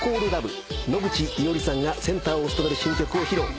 野口衣織さんがセンターを務める新曲を披露。